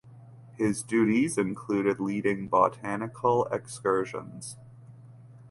His duties included leading botanical excursions.